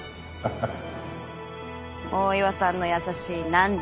ハハッ。